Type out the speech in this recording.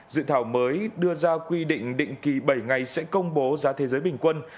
dự thảo mới đưa ra quy định định kỳ bảy ngày sẽ công bố giá thế giới bình quân